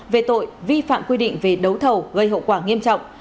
về tội vi phạm quy định về đấu thầu gây hậu quả nghiêm trọng